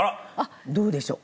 どうでしょう？